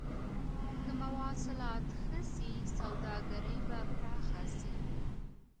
که مواصلات ښه سي سوداګري به پراخه سي.